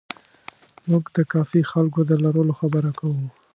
موږ د کافي خلکو د لرلو خبره کوو.